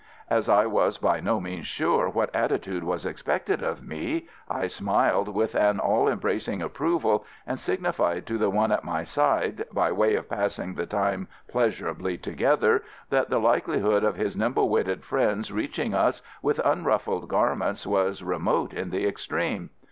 As I was by no means sure what attitude was expected of me, I smiled with an all embracing approval, and signified to the one at my side, by way of passing the time pleasurably together, that the likelihood of his nimble witted friends reaching us with unruffled garments was remote in the extreme.